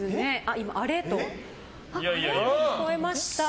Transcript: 今、あれ？と聞こえました。